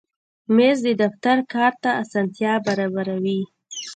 مېز د دفتر کار ته اسانتیا برابروي.